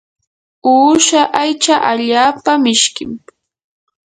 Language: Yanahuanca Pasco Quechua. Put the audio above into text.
uusha aycha allaapa mishkim.